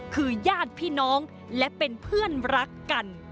คือญาติพี่น้องและเป็นเพื่อนรักกัน